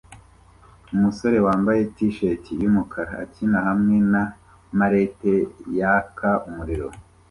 Umusore wambaye t-shati yumukara akina hamwe na mallet yaka umuriro